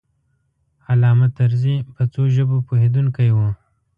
علامه طرزی په څو ژبو پوهېدونکی و.